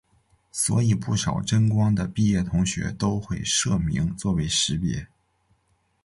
所以不少真光的毕业同学都会社名作为识别。